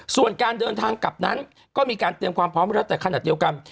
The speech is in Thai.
ส่วนการเดินทางกลับนั้นก็มีการเตรียมความพร้อมแล้วแต่ขนาดเดียวกัน